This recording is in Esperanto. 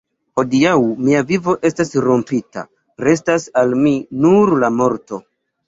Hodiaŭ mia vivo estas rompita; restas al mi nur la morto.